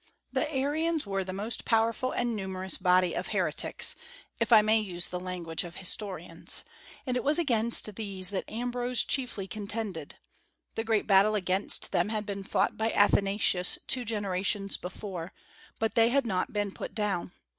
The Arians were the most powerful and numerous body of heretics, if I may use the language of historians, and it was against these that Ambrose chiefly contended. The great battle against them had been fought by Athanasius two generations before; but they had not been put down.